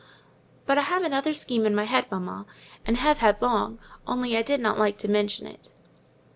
"But I have another scheme in my head, mamma, and have had long, only I did not like to mention it."